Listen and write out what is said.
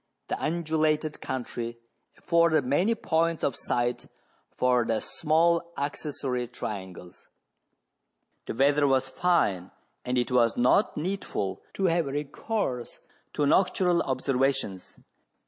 The undulated country afforded many points of sight for the small accessory trian gles. The weather was fine, and it was not needful to have recourse to nocturnal observations.